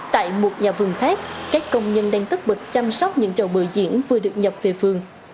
tại một nhà vườn khác các công nhân đang tức bực chăm sóc những chầu bữa diễn vừa được nhập về vườn